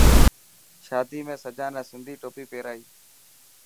شادي ۾ سجان سنڌي ٽوپي پيرائي.